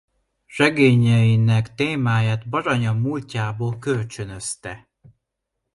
Regényeinek témáját Baranya múltjából kölcsönözte.